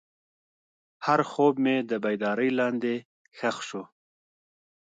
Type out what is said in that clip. هر خوب مې د بیدارۍ لاندې ښخ شو.